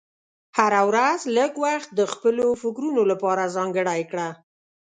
هره ورځ لږ وخت د خپلو فکرونو لپاره ځانګړی کړه.